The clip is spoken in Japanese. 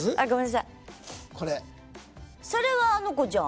それはあの子じゃん。